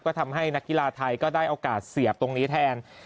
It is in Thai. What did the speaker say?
ก็ทำให้นักกีฬาไทยก็ได้โอกาสเสียบตรงนี้แทน